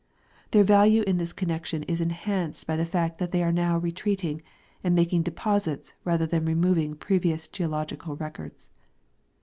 Their value in this connection is enhanced by the fact that they are now retreating and making deposits rather than removing previous geological records.